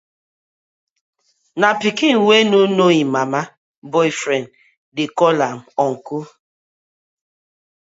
Na pikin wey no know im mama boyfriend dey call am uncle.